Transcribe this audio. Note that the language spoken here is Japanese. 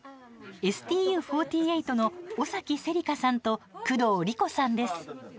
ＳＴＵ４８の尾崎世里花さんと工藤理子さんです。